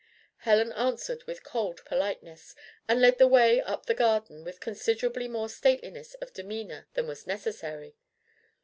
Helen answered with cold politeness, and led the way up the garden with considerably more stateliness of demeanour than was necessary.